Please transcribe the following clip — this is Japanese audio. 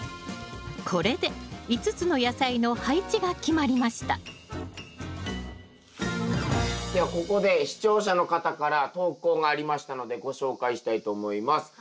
これで５つの野菜の配置が決まりましたではここで視聴者の方から投稿がありましたのでご紹介したいと思います。